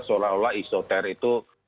seolah olah isoter itu